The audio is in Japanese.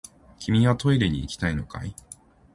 君はトイレに行きたいのかい？